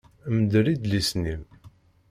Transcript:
Mdel idlisen-im!